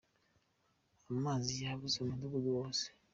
Amazi yabuze mumudugudu wose.